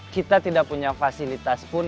kita tidak punya fasilitas pun